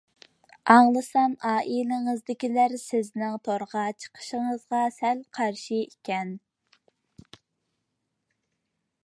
ئاڭلىسام ئائىلىڭىزدىكىلەر سىزنىڭ تورغا چىقىشىڭىزغا سەل قارشى ئىكەن.